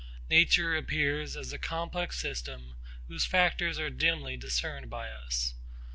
Nature appears as a complex system whose factors are dimly discerned by us.